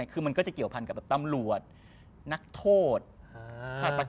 คือมันก็จะเกี่ยวพันกับตำรวจนักโทษ